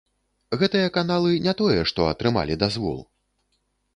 Гэтыя каналы не тое, што атрымалі дазвол.